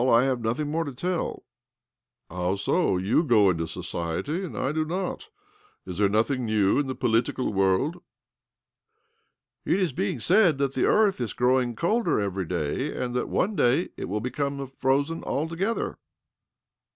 I have nothir more to tell." "How so? You go into society, ar I do not. Is there nothing new in tl political world? "" It is being said that the earth is growir colder every day, and that one day it w: become frozen altogether."